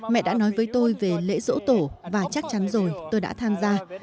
mẹ đã nói với tôi về lễ dỗ tổ và chắc chắn rồi tôi đã tham gia